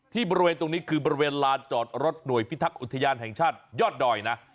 บริเวณตรงนี้คือบริเวณลานจอดรถหน่วยพิทักษ์อุทยานแห่งชาติยอดดอยนะ